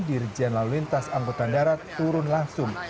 dirjen lalunintas angkutan darat turun langsung